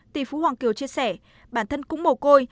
tỷ phú hoàng kiều chia sẻ bản thân cũng mồ côi